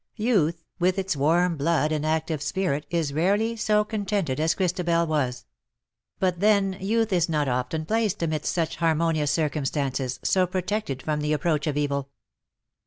Youth, with its warm blood and active spirit, is rarely so con tented as Christabel was : but then youth is not often placed amidst such harmonious circumstances, so protected from the approach of evil.